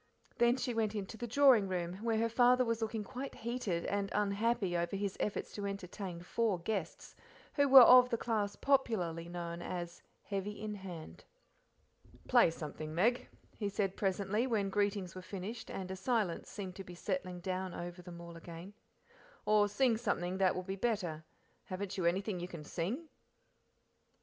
Then she went into the drawing roam, where her father was looking quite heated and unhappy over his efforts to entertain four guests who were of the class popularly known as "heavy in hand:" "Play something, Meg," he said presently, when greetings were finished, and a silence seemed settling down over them all again; "or sing something that will be better haven't you anything you can sing?"